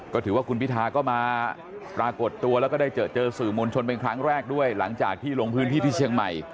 ก็ถือว่าคุณพิทาก็มาปรากฏตัวแล้วก็ได้เจอสื่อมวลชนเป็นครั้งแรกด้วย